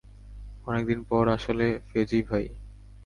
অনেক দিন পর আসলে ফেজি ভাই।